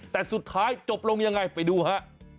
แต่สุดท้ายจบลงยังไงไปดูฮะ